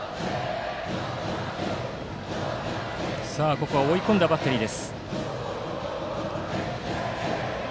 ここは追い込んだバッテリー。